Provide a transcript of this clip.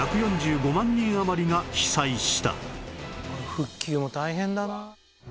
復旧も大変だなあ。